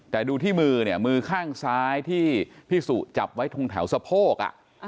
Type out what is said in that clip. แต่ดูที่มือเนี่ยมือข้างซ้ายที่พี่สุจับไว้ตรงแถวสะโพก